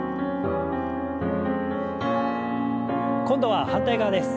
今度は反対側です。